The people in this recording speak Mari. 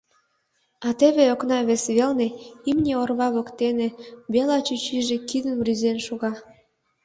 А теве окна вес велне имне орва воктене Бэла чӱчӱжӧ кидым рӱзен шога.